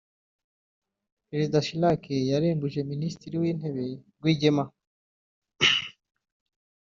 Perezida Chirac yarembuje Ministiri w’Intebe Rwigema